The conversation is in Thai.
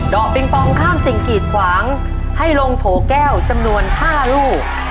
ปิงปองข้ามสิ่งกีดขวางให้ลงโถแก้วจำนวน๕ลูก